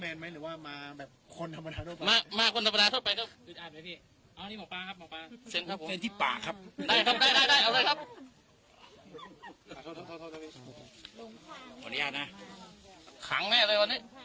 แตเนะคะดูดูแกเนเ